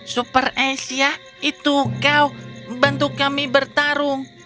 superastia itu kau bantu kami bertarung